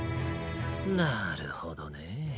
なるほどね。